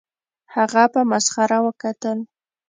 هغه په مسخره وکتل